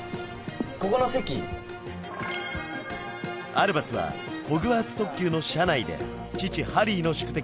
ここの席アルバスはホグワーツ特急の車内で父・ハリーの宿敵